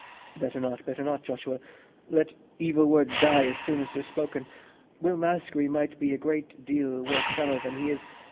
"Better not, better not, Joshua. Let evil words die as soon as they're spoken. Will Maskery might be a great deal worse fellow than he is.